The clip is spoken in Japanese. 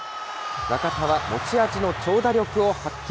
中田は持ち味の長打力を発揮。